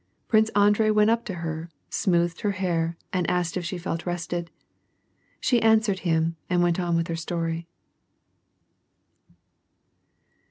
Prince Andrei went up to her, smoothed her hair, and asked if she felt rested. She answered him and went on with her story.